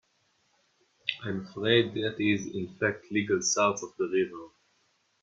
I'm afraid that is in fact legal south of the river.